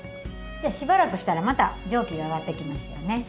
しばらくしたらまた蒸気が上がってきましたよね。